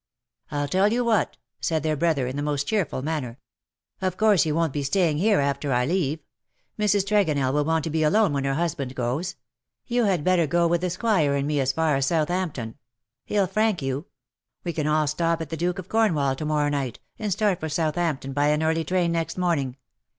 " I'll tell you what," said their brother, in the most cheerful manner. " Of course you won't be staying here after I leave. Mrs. Tregonell will want to be alone when her husband goes. You had better go with the Squire and me as far as South ampton. He'll frank you. We can all stop at the ^ Duke of Cornwall' to morrow night, and start for Southampton by an early train next morning.